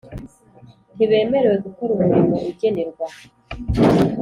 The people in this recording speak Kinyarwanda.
ntibemerewe gukora umurimo ugenerwa